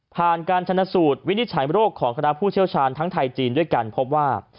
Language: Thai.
การชนะสูตรวินิจฉัยโรคของคณะผู้เชี่ยวชาญทั้งไทยจีนด้วยกันพบว่า